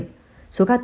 số ca tử vong hàng ngày